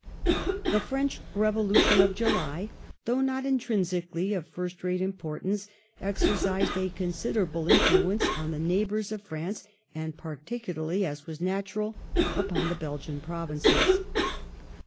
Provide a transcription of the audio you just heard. The French Revolution of July, though not intrinsically of first rate importance, exercised a considerable influence on the neigh bours of France, and particularly, as was natural, upon the Belgian Provinces.